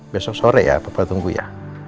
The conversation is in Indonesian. besok sore ya bapak tunggu ya